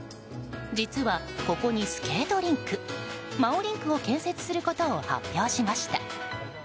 実は、ここにスケートリンクＭＡＯＲＩＮＫを建設することを発表しました。